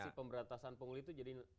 pasti pemberantasan pungli itu jadi